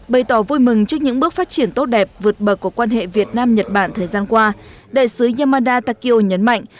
bày tỏ vui mừng trước những bước phát triển tốt đẹp vượt bậc của quan hệ việt nam nhật bản thời gian qua đại sứ yamada takio nhấn mạnh